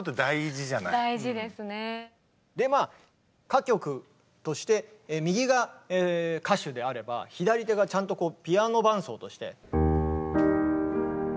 歌曲として右が歌手であれば左手がちゃんとこうピアノ伴奏として。